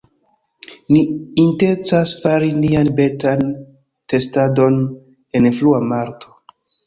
Ni intencas fari nian betan testadon en frua marto